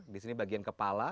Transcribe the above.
di sini bagian kepala